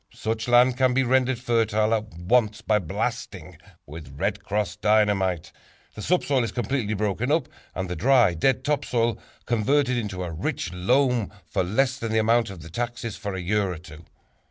Such land can be rendered fertile at once by blasting with "Red Cross" Dynamite. The subsoil is completely broken up and the dry, dead top soil converted into a rich loam for less than the amount of the taxes for a year or two.